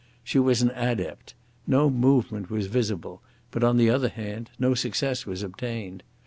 She was an adept; no movement was visible, but, on the other hand, no success was obtained.